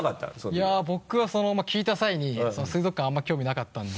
いや僕は聞いた際に水族館あんま興味なかったんで。